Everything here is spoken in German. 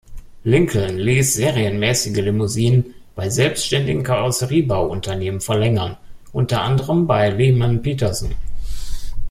Lincoln ließ serienmäßige Limousinen bei selbständigen Karosseriebauunternehmen verlängern, unter anderem bei Lehman-Peterson.